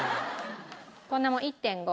こんなもん１．５。